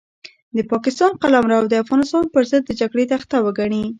د پاکستان قلمرو د افغانستان پرضد د جګړې تخته وګڼي.